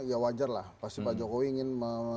ya wajar lah pasti pak jokowi ingin